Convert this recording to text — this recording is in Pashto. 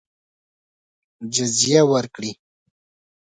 جزیه ورکړي.